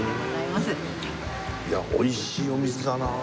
いや美味しいお水だなあ。